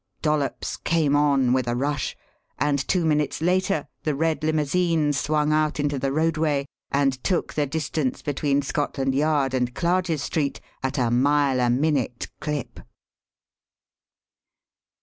Dollops "came on" with a rush; and two minutes later the red limousine swung out into the roadway and took the distance between Scotland Yard and Clarges Street at a mile a minute clip.